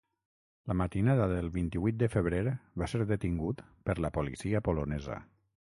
La matinada del vint-i-vuit de febrer va ser detingut per la policia polonesa.